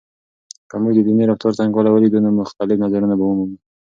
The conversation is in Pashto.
که موږ د دیني رفتار څرنګوالی ولیدو، نو مختلف نظرونه به ومومو.